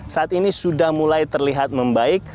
saat ini sudah mulai terlihat membaik